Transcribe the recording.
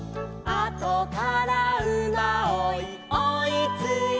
「あとからうまおいおいついて」